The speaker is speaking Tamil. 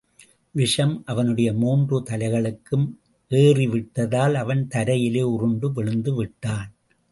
விஷம் அவனுடைய மூன்று தலைகளுக்கும் ஏறிவிட்டதால், அவன் தரையிலே உருண்டு விழுந்துவிட்டான்.